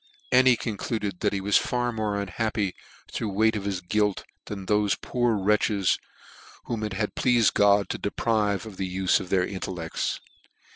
and he concluded that he was far more unhappy through ti>e weight of" his guilt, than thofe poor wretches whom it had pleafed God to deprive of the ufe of their intellects.